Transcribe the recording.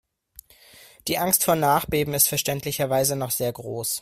Die Angst vor Nachbeben ist verständlicherweise noch sehr groß.